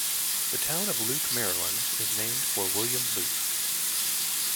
The town of Luke, Maryland is named for William Luke.